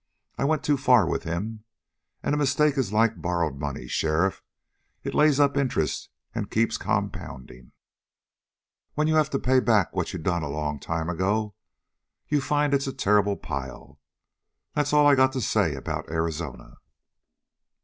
I went too far with him, and a mistake is like borrowed money, sheriff. It lays up interest and keeps compounding. When you have to pay back what you done a long time ago, you find it's a terrible pile. That's all I got to say about Arizona."